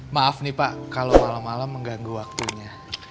maaf nih pak kalau malam malam mengganggu waktunya